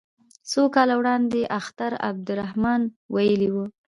څو کاله وړاندې اختر عبدالرحمن ویلي وو.